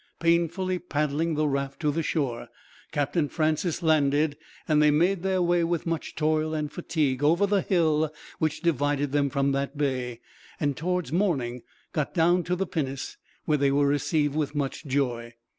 Painfully paddling the raft to the shore, Captain Francis landed; and they made their way, with much toil and fatigue, over the hill which divided them from that bay; and, towards morning, got down to the pinnace, where they were received with much joy.